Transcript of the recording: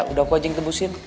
udah aku aja yang tebusin